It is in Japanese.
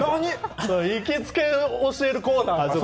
行きつけを教えるコーナーでしょ。